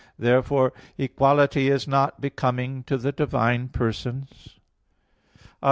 Therefore equality is not becoming to the divine persons. Obj.